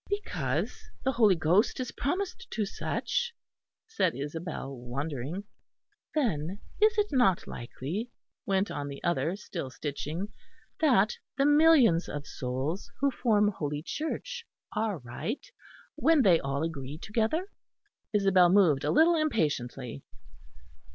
"Because the Holy Ghost is promised to such," said Isabel wondering. "Then is it not likely," went on the other still stitching, "that the millions of souls who form Holy Church are right, when they all agree together?" Isabel moved a little impatiently.